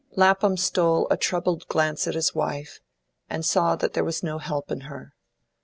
Lapham stole a troubled glance at his wife, and saw that there was no help in her.